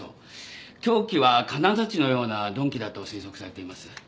凶器は金づちのような鈍器だと推測されています。